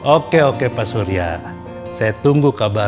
oke oke pak surya